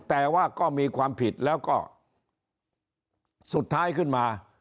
แต่ว่าก็มีความผิดแล้วก็สุดท้ายขึ้นมา